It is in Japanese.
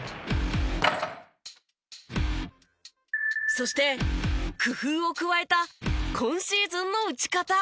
そして工夫を加えた今シーズンの打ち方。